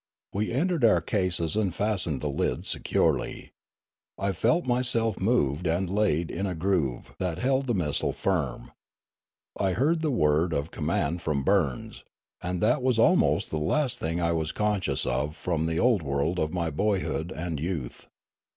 We entered our cases and fastened the lids securely. I felt myself moved and laid in a groove that held the missile firm. I heard the word of com mand from Burns ; and that was almost the last thing I was conscious of from the old world of my boyhood and 3'outh.